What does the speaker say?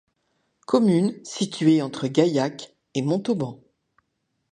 Commune située entre Gaillac et Montauban.